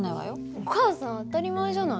お母さん当たり前じゃない。